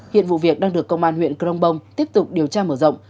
hiện vụ việc đang được công an huyện cronbong tiếp tục điều tra mở rộng